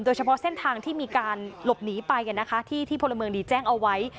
โดยเฉพาะเส้นทางที่มีการหลบหนีไปที่พลเมืองดีแจ้งเอาไว้